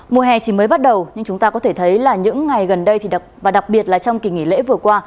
mùa hè chỉ mới bắt đầu nhưng chúng ta có thể thấy là những ngày gần đây và đặc biệt là trong kỳ nghỉ lễ vừa qua